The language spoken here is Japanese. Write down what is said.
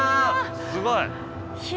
すごい。